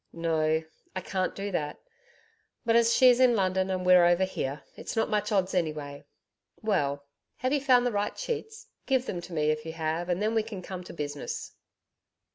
'No, I can't do that; but as she's in London and we're over here, it's not much odds anyway. Well, have you found the right sheets? Give them to me if you have and then we can come to business.'